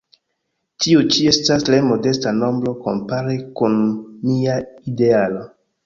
Tio ĉi estas tre modesta nombro kompare kun mia idealo.